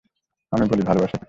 আমি বলি ভালোবাসা কী।